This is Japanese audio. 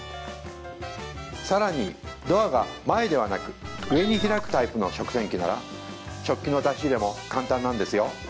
さらにドアが前ではなく上に開くタイプの食洗機なら食器の出し入れも簡単なんですよ